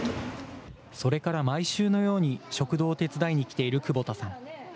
それから毎週のように、食堂を手伝いに来ている久保田さん。